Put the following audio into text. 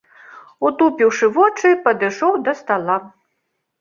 Утупіўшы вочы, падышоў да стала.